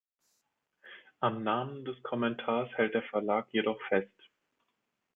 Am Namen des Kommentars hält der Verlag jedoch fest.